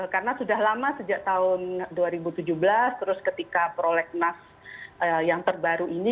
karena sudah lama sejak tahun dua ribu tujuh belas terus ketika prolegnas yang terbaru ini